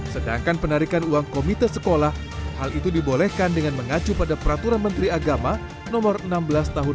sedangkan penarikan uang komite sekolah hal itu dibolehkan dengan mengacu pada peraturan menteri agama nomor enam belas tahun dua ribu dua puluh